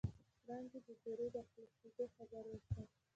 وړانګې د بورې د خلاصېدو خبر ورکړ.